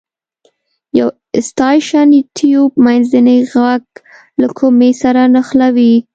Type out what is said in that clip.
یو ستاشین تیوب منځنی غوږ له کومې سره نښلوي.